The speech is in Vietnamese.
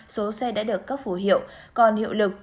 số xe đã được cấp phủ hiệu còn hiệu lực